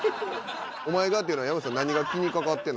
「お前が？」っていうのは山内さん何が気にかかってんの？